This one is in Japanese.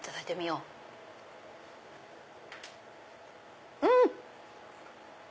うん！